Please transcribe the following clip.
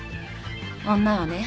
女はね